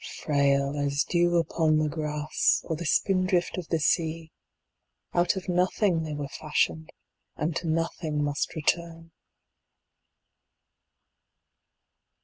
Frail as dew upon the grass Or the spindrift of the sea, Out of nothing they were fashioned And to nothing must return.